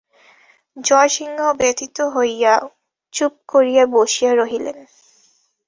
জয়সিংহ ব্যথিত হইয়া চুপ করিয়া বসিয়া রহিলেন।